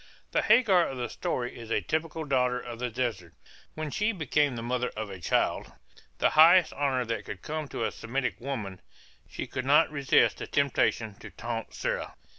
The Hagar of the story is a typical daughter of the desert. When she became the mother of a child, the highest honor that could come to a Semitic woman, she could not resist the temptation to taunt Sarah.